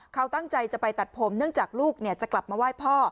เขาตั้งใจจะไปตัดผมเนื่องจากลูกจะกลับมาไหว้พ่อ